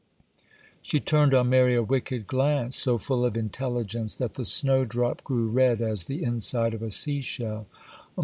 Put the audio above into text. She turned on Mary a wicked glance, so full of intelligence that the snowdrop grew red as the inside of a sea shell.